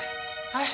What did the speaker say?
はい？